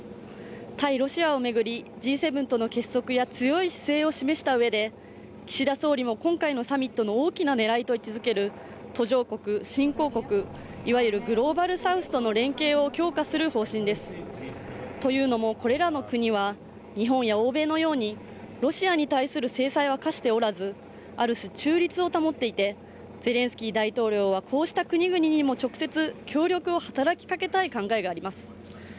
対ロシアを巡り、Ｇ７との結束や強い姿勢を示した上で、岸田総理も今回のサミットの大きな狙いと位置付ける途上国・新興国、いわゆるグローバルサウスとの連携を強化する方針ですというのもこれらの国は、日本や欧米のように、ロシアに対する制裁は科しておらず、ある種中立を保っていて、ゼレンスキー大統領はこうした国々にも直接協力を働きかけたい考えがあります。